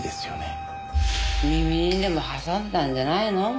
耳にでも挟んでたんじゃないの？